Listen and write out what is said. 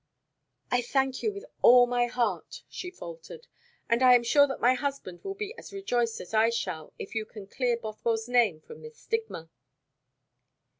"I thank you with all my heart," she faltered, "and I am sure that my husband will be as rejoiced as I shall, if you can clear Bothwell's name from this stigma."